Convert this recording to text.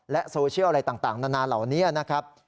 โซเชียลอะไรต่างนานาเหล่านี้นะครับ